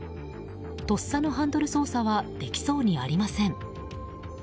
とっさのハンドル操作はできそうにありません。